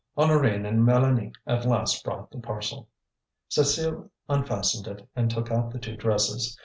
Honorine and Mélanie at last brought the parcel. Cécile unfastened it and took out the two dresses.